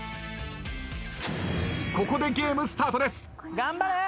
ここでゲームスタートです。